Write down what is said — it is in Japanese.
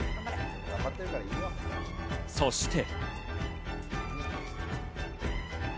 そして。